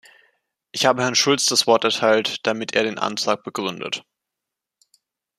Ich habe Herrn Schulz das Wort erteilt, damit er den Antrag begründet.